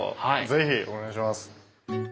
ぜひお願いします。